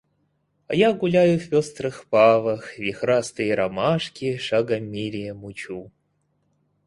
А я гуляю в пестрых павах, вихрастые ромашки, шагом меряя, мучу.